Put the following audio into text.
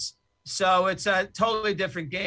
jadi ini adalah permainan yang berbeda